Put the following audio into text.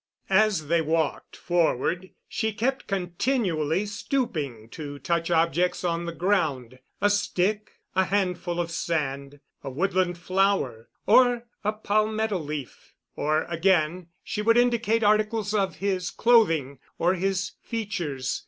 As they walked forward she kept continually stooping to touch objects on the ground a stick, a handful of sand, a woodland flower, or a palmetto leaf. Or, again, she would indicate articles of his clothing, or his features.